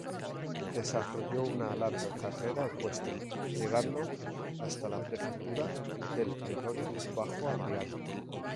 Desarrolló una larga carrera ecuestre, llegando hasta la prefectura del pretorio bajo Adriano.